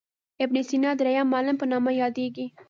ابن سینا درېم معلم په نامه یادیږي.